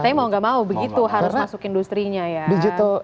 tapi mau gak mau begitu harus masuk industri nya ya